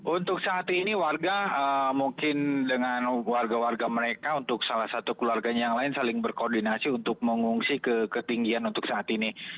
untuk saat ini warga mungkin dengan warga warga mereka untuk salah satu keluarganya yang lain saling berkoordinasi untuk mengungsi ke ketinggian untuk saat ini